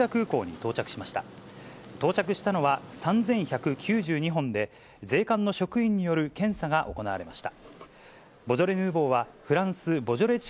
到着したのは３１９２本で、税関の職員による検査が行われました。